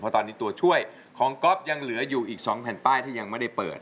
ตอนนี้ตัวช่วยของก๊อฟยังเหลืออยู่อีก๒แผ่นป้ายที่ยังไม่ได้เปิด